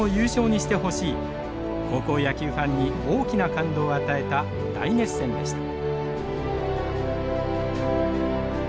高校野球ファンに大きな感動を与えた大熱戦でした。